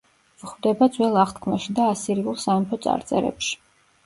გვხვდება ძველ აღთქმაში და ასირიულ სამეფო წარწერებში.